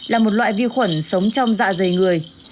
là một loại vi khuẩn sống trong dạ dày người